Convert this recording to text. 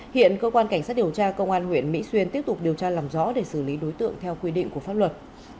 hiện cơ quan cảnh sát điều tra công an huyện mỹ xuyên tiếp tục điều tra làm rõ để xử lý đối tượng theo quy định của pháp luật